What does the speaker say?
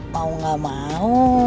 mau gak mau